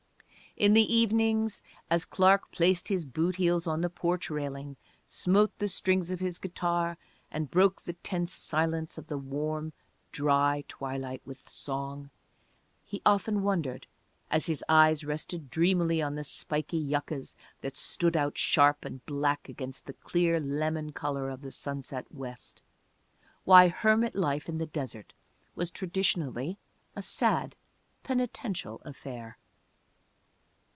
In the evenings as Clark placed his boot heels on the porch railing, smote the strings of his guitar and broke the tense silence of the warm, dry twilight with song, he often wondered, as his eyes rested dreamily on the spikey yuccas that stood out sharp and black against the clear lemon color of the sunset west, why hermit life in the desert was traditionally a sad, penitential affair.